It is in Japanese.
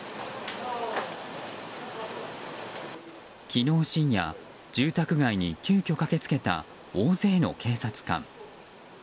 昨日深夜、住宅街に急きょ駆け付けた大勢の警察官。